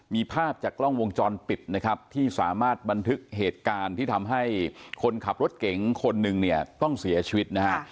มีภาพจากกล้องวงจรปิดนะครับที่สามารถบันทึกเหตุการณ์ที่ทำให้คนขับรถเก๋งคนหนึ่งเนี่ยต้องเสียชีวิตนะฮะ